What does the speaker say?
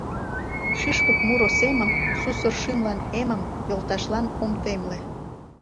Шӱшпык муро семым, сусыр шӱмлан эмым, йолташлан ом темле.